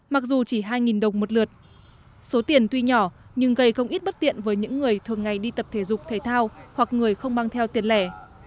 mặc dù chỉ hai đồng một lượt số tiền tuy nhỏ nhưng gây không ít bất tiện với những người thường ngày đi tập thể dục thể thao hoặc người không mang theo tiền lẻ